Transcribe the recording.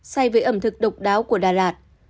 say với ẩm thực độc đáo của đà lạt